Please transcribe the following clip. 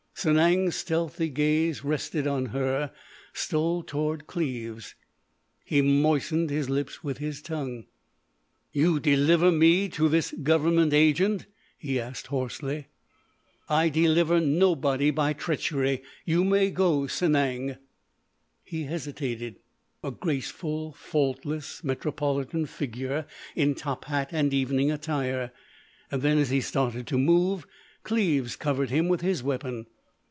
Sanang's stealthy gaze rested on her, stole toward Cleves. He moistened his lips with his tongue. "You deliver me to this government agent?" he asked hoarsely. "I deliver nobody by treachery. You may go, Sanang." He hesitated, a graceful, faultless, metropolitan figure in top hat and evening attire. Then, as he started to move, Cleves covered him with his weapon.